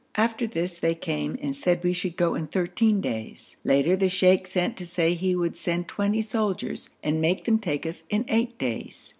After this they came and said we should go in thirteen days. Later the sheikh sent to say he would send twenty soldiers, and make them take us in eight days.